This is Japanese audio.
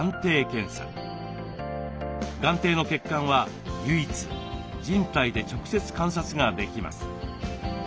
眼底の血管は唯一人体で直接観察ができます。